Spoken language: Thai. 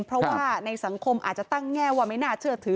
เพราะว่าในสังคมอาจจะตั้งแง่ว่าไม่น่าเชื่อถือ